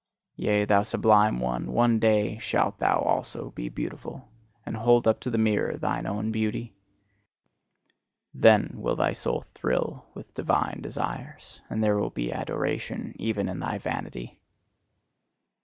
Yea, thou sublime one, one day shalt thou also be beautiful, and hold up the mirror to thine own beauty. Then will thy soul thrill with divine desires; and there will be adoration even in thy vanity!